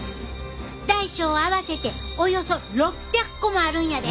大小合わせておよそ６００個もあるんやで。